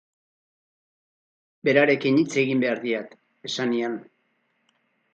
Berarekin hitz egin behar diat, esan nian.